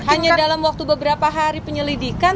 hanya dalam waktu beberapa hari penyelidikan